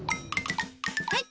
はい！